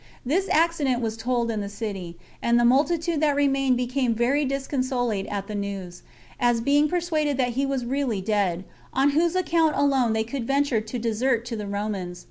This accident was told in the city, and the multitude that remained became very disconsolate at the news, as being persuaded that he was really dead, on whose account alone they could venture to desert to the Romans.